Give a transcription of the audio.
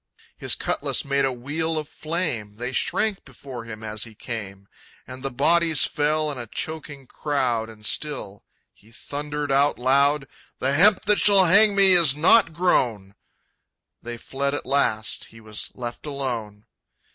His cutlass made a wheel of flame. They shrank before him as he came. And the bodies fell in a choking crowd, And still he thundered out aloud, "The hemp that shall hang me is not grown!" They fled at last. He was left alone.